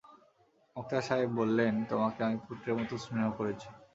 মোক্তার সাহেব বললেন, তোমাকে আমি পুত্রের মতো স্নেহ করেছি।